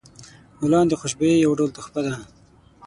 ګلان د خوشبویۍ یو ډول تحفه ده.